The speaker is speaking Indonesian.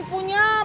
bayar duitnya sih